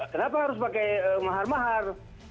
kenapa harus pakai mahar mahar